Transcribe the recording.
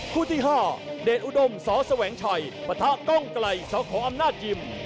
คู่ที่ห้าเดชอุดมสแสวงชัยพระท่าก้องกลัลยสขออำนาจิม